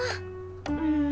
うん。